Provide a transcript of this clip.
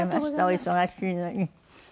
お忙しいのに。